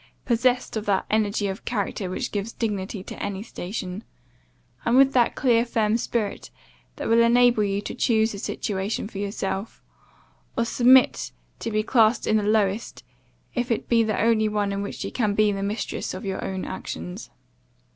possessed of that energy of character which gives dignity to any station; and with that clear, firm spirit that will enable you to choose a situation for yourself, or submit to be classed in the lowest, if it be the only one in which you can be the mistress of your own actions.